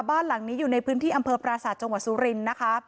บ้านหลังนี้อยู่ในพื้นที่อัมเภอปราสาทจังหวะซูรินนะคะ